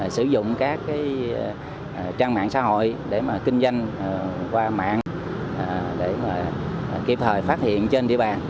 sử dụng các cái trang mạng xã hội để mà kinh doanh qua mạng để mà kịp thời phát hiện trên địa bàn